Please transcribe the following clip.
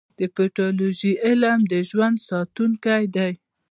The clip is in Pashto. د پیتالوژي علم د ژوند ساتونکی دی.